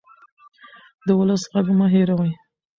د ولس غږ مه هېروئ